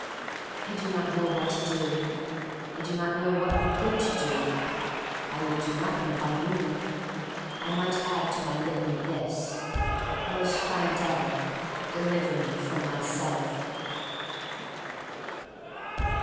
I do not know what to do. I do not know what were good to do. I would do nothing if I knew. I might add to my litany this: Most kind Devil, deliver me — from myself.